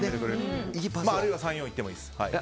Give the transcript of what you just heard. あるいは３、４いってもいいです。